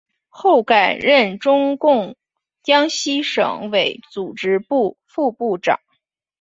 后改任中共江西省委组织部副部长。